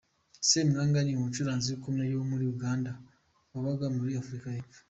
Semwanga ni umucuruzi ukomeye wo muri Uganda wabaga muri Afurika y’Epfo.